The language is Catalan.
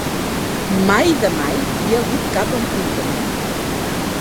Mai de mai hi ha hagut cap enfrontament.